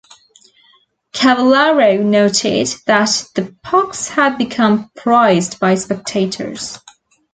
Cavallaro noted that the pucks had become prized by spectators.